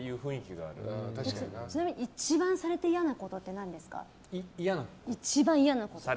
ちなみに一番されて嫌なことって何ですか。